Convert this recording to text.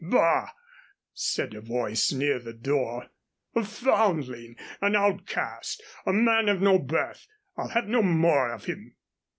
"Bah!" said a voice near the door. "A foundling an outcast a man of no birth I'll have no more of him."